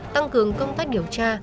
tăng cường công tác điều tra